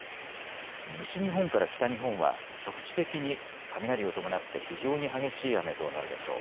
西日本から北日本は局地的に雷を伴って非常に激しい雨となるでしょう。